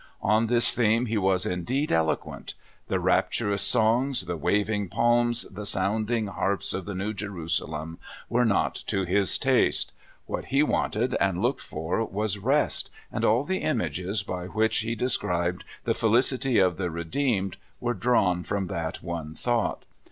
On this theme he was in deed eloquent. The rapturous songs, the waving palms, the sounding harps of the New Jerusalem were not to his taste; what he wanted, and looked for, was rest, and all the images by which he de scribed the felicity of the redeemed were drawn from that one thought.